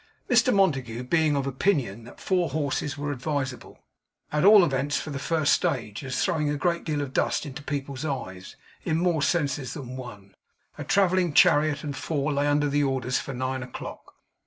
Mr Montague being of opinion that four horses were advisable, at all events for the first stage, as throwing a great deal of dust into people's eyes, in more senses than one, a travelling chariot and four lay under orders for nine o'clock.